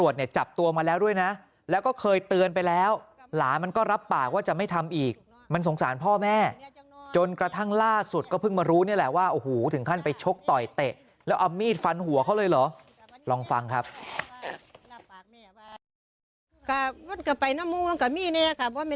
จนกระทั่งล่าสุดก็เพิ่งมารู้นี่แหละว่าโอ้โหถึงขั้นไปชกต่อยเตะแล้วเอามีดฟันหัวเขาเลยเหรอลองฟังครับ